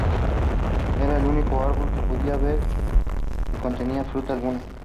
Era el único árbol que podían ver que contenía fruta alguna.